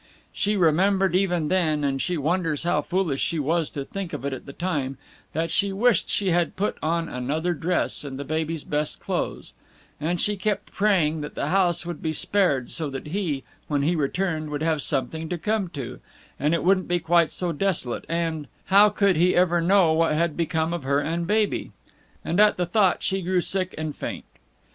She remembered even then, and she wonders how foolish she was to think of it at that time, that she wished she had put on another dress and the baby's best clothes; and she kept praying that the house would be spared so that he, when he returned, would have something to come to, and it wouldn't be quite so desolate, and how could he ever know what had become of her and baby? And at the thought she grew sick and faint.